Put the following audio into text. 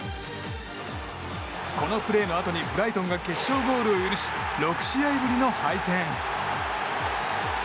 このプレーのあとにブライトンが決勝ゴールを許し６試合ぶりの敗戦。